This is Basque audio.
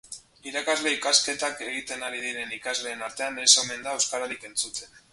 Irakasle ikasketak egiten ari diren ikasleen artean ez omen da euskararik entzuten.